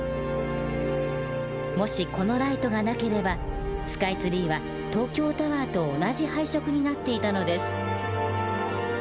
もしこのライトがなければスカイツリーは東京タワーと同じ配色になっていたのです。